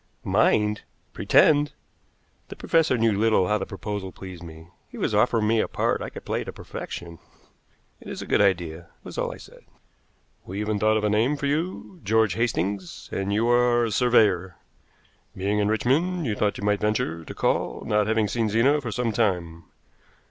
Mind? Pretend! The professor little knew how the proposal pleased me. He was offering me a part I could play to perfection. "It is a good idea," was all I said. "We even thought of a name for you George Hastings and you are a surveyor. Being in Richmond, you thought you might venture to call, not having seen Zena for some time.